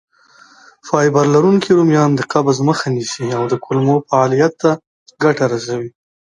فایبر لرونکي رومیان د قبض مخه نیسي او د کولمو فعالیت ته ګټه رسوي.